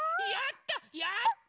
・やった！